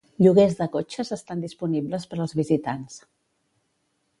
Lloguers de cotxes estan disponible per als visitants.